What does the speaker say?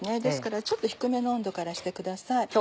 ですからちょっと低めの温度からしてください。